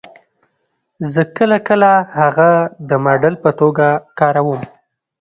زه کله کله هغه د ماډل په توګه کاروم